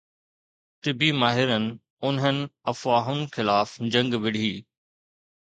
طبي ماهرن انهن افواهن خلاف جنگ وڙهي